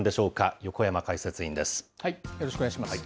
よろしくお願いします。